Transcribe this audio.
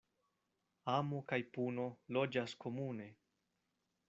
Amo kaj puno loĝas komune.